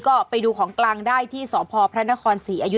ก็ไปดูของกลางได้ที่สพพศ๔อท